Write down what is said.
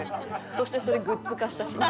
そしてそれグッズ化したし。